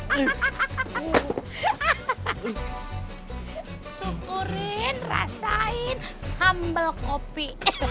syukurin rasain sambal kopi